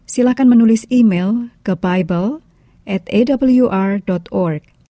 silakan menulis email ke bible awr org